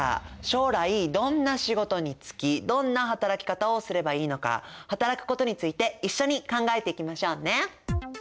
将来どんな仕事に就きどんな働き方をすればいいのか働くことについて一緒に考えていきましょうね。